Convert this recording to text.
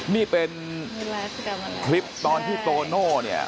นี่เป็นคลิปตอนที่โตโน